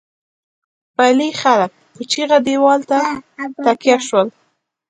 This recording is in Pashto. پلې خلک په چيغه دېوال ته تکيه شول.